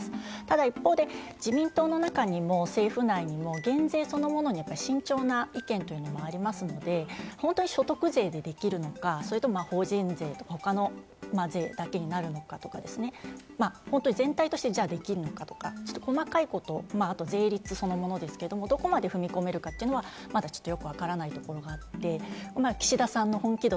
ただ一方で、自民党の中にも、政府内にも減税そのものに慎重な意見というのがありますので、本当に所得税でできるのか、それとも法人税、他の税だけになるのかとかですね、本当に全体としてできるのかとか、細かいこと、あとは税率そのものですけれどもどこまで踏みとどめるか、かさつきカバーにまさかのファンデ。